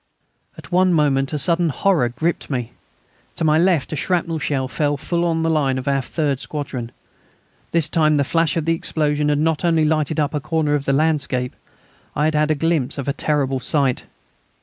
At one moment a sudden horror gripped me. To my left a shrapnel shell fell full on the line of the third squadron. This time the flash of the explosion had not only lighted up a corner of landscape; I had had a glimpse of a terrible sight.